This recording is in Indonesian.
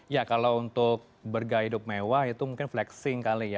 ya kalau untuk bergaiduk mewah itu mungkin flexing kali ya